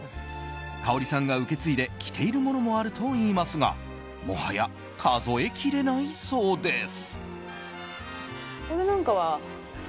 かおりさんが受け継いで着ているものもあるといいますがもはや数えきれないそうです。